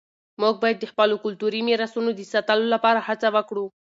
موږ باید د خپلو کلتوري میراثونو د ساتلو لپاره هڅه وکړو.